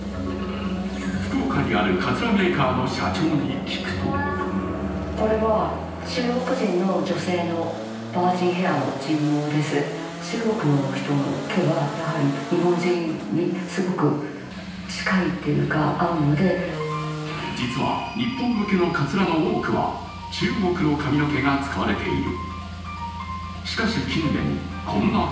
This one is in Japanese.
福岡にあるかつらメーカーの社長に聞くと実は日本向けのかつらの多くは中国の髪の毛が使われている。